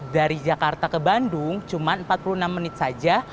dari jakarta ke bandung cuma empat puluh enam menit saja